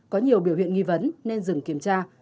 có nhiều biểu hiện nghi vấn nên dừng kiểm tra